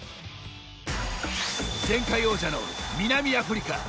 前回王者の南アフリカ。